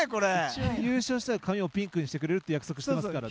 一応優勝したら髪をピンクにしてくれるって約束してますからね。